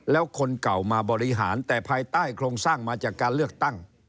แล้วคนเก่ามาบริหารแต่ภายใต้โครงสร้างมาจากการเลือกตั้ง